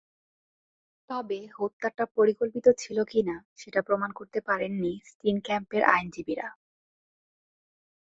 তবে হত্যাটা পরিকল্পিত ছিল কিনা, সেটা প্রমাণ করতে পারেননি স্টিনক্যাম্পের আইনজীবীরা।